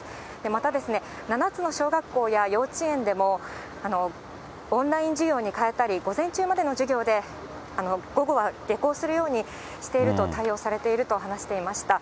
また７つの小学校や幼稚園でも、オンライン授業に代えたり、午前中までの授業で、午後は下校するようにしていると、対応していると話されていました。